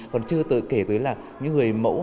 còn chưa kể tới là những người mẫu